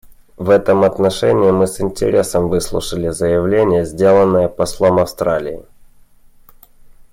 В этом отношении мы с интересом выслушали заявление, сделанное послом Австралии.